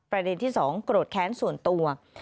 ประเด็นที่๒โกรธแค้นส่วนตัว